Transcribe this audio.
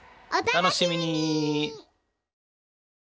お楽しみに！